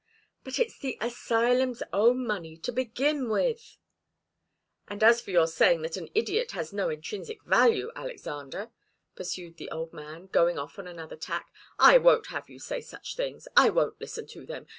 "But it's the asylum's own money to begin with " "And as for your saying that an idiot has no intrinsic value, Alexander," pursued the old man, going off on another tack, "I won't have you say such things. I won't listen to them.